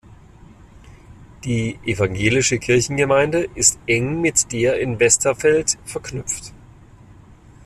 Die Evangelische Kirchengemeinde ist eng mit der in Westerfeld verknüpft.